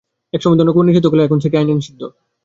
এক সময় কুকুর নিধন করা হলেও এখন সেটি আইনে নিষিদ্ধ।